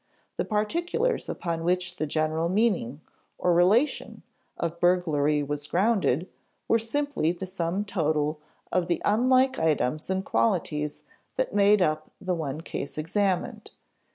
The particulars upon which the general meaning (or relation) of burglary was grounded were simply the sum total of the unlike items and qualities that made up the one case examined.